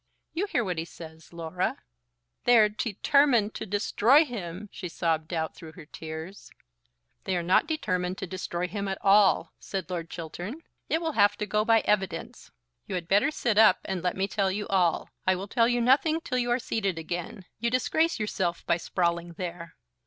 "You hear what he says, Laura." "They are determined to destroy him," she sobbed out, through her tears. "They are not determined to destroy him at all," said Lord Chiltern. "It will have to go by evidence. You had better sit up and let me tell you all. I will tell you nothing till you are seated again. You disgrace yourself by sprawling there."